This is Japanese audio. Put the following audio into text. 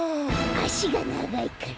あしがながいから？